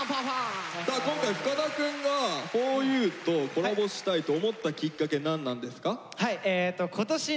さあ今回深田くんがふぉゆとコラボしたいと思ったきっかけ何なんですか？